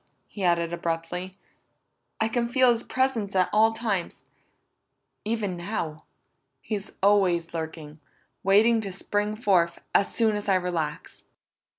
he added abruptly. "I can feel his presence at all times even now. He's always lurking, waiting to spring forth, as soon as I relax!"